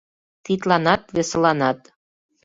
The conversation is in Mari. — Тидланат, весыланат...